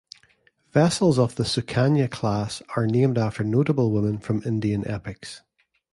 Vessels of the "Sukanya" class are named after notable women from Indian epics.